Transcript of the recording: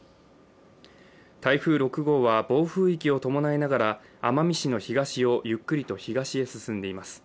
台風６号は暴風域を伴いながら奄美市の東をゆっくりと東へ進んでいます。